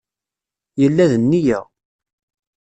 Yella d nneyya.